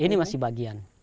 ini masih bagian